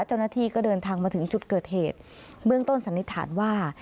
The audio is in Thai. เจ้าหน้าที่ก็เดินทางมาถึงจุดเกิดเหตุเบื้องต้นสันนิษฐานว่า